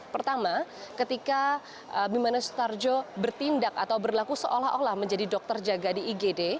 pertama ketika bimane sutarjo bertindak atau berlaku seolah olah menjadi dokter jaga di igd